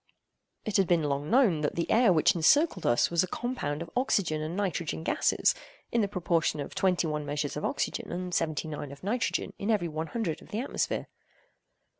It had been long known that the air which encircled us was a compound of oxygen and nitrogen gases, in the proportion of twenty one measures of oxygen, and seventy nine of nitrogen in every one hundred of the atmosphere.